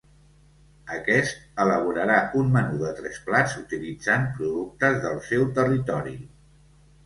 Aquest elaborarà un menú de tres plats utilitzant productes del seu territori.